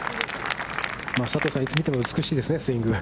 佐藤さん、いつ見ても美しいですね、スイング。